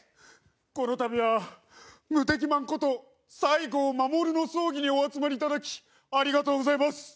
このたびは無敵マンことサイゴウマモルの葬儀にお集まりいただきありがとうございます。